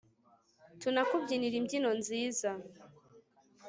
tunakubyinire imbyino nziza